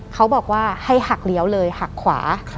เขาบอกว่าให้หักเลี้ยวเลยหักขวา